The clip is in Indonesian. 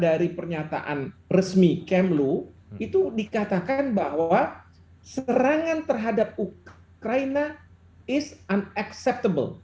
dari pernyataan resmi kmu itu dikatakan bahwa serangan terhadap ukraina tidak terima